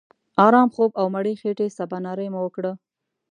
آرام خوب او مړې خېټې سباناري مو وکړه.